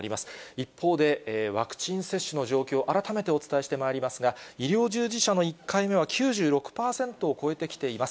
一方で、ワクチン接種の状況、改めてお伝えしてまいりますが、医療従事者の１回目は、９６％を超えてきています。